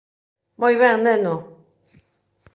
Moi ben, neno.